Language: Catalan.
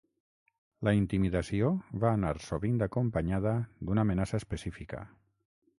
La intimidació va anar sovint acompanyada d'una amenaça específica.